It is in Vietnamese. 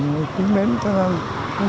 vừa kính mến